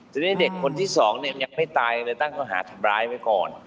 ทีนี้เด็กคนที่สองเนี่ยยังไม่ตายเลยตั้งข้อหาทำร้ายไว้ก่อน